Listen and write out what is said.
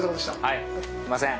はいすいません。